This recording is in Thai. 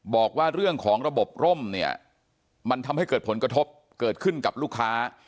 บอกว่าเรื่องของระบบร่มเนี่ยมันทำให้เกิดผลกระทบเกิดขึ้นกับลูกค้า